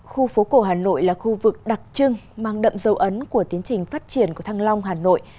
khu phố cổ hà nội là khu vực đặc trưng mang đậm dấu ấn của tiến trình phát triển của thăng long hà nội